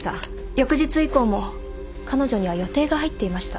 翌日以降も彼女には予定が入っていました。